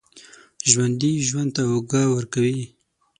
ژوندي ژوند ته اوږه ورکوي